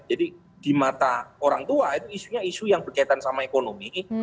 jadi di mata orang tua itu isunya isu yang berkaitan dengan ekonomi